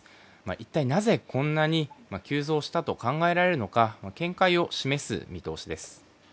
一体なぜこんなに急増したと考えられるのか見解を示す見通しです。